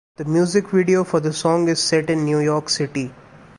The music video for the song is set in New York City.